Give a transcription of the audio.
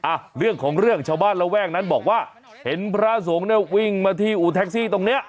อ่ะเรื่องของเรื่องชาวบ้านระแวกนั้นบอกว่าเห็นพระสงฆ์เนี่ยวิ่งมาที่อู่แท็กซี่ตรงเนี้ย